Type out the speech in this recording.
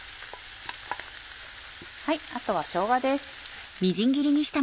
あとはしょうがです。